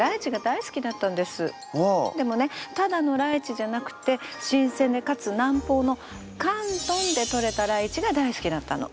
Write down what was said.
私ねでもねただのライチじゃなくて新鮮でかつ南方の広東でとれたライチが大好きだったの。